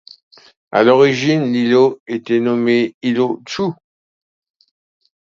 À l'origine, l'îlot était nommé îlot Chu.